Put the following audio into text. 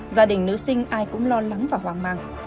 gia đình nữ sinh ai cũng lo lắng và hoang mang